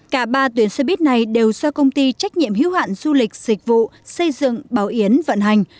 cả ba tuyến xe buýt này đều do công ty trách nhiệm hiếu hạn du lịch dịch vụ xây dựng bảo yến vận hành